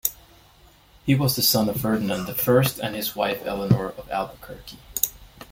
He was the son of Ferdinand the First and his wife Eleanor of Alburquerque.